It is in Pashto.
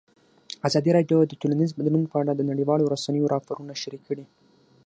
ازادي راډیو د ټولنیز بدلون په اړه د نړیوالو رسنیو راپورونه شریک کړي.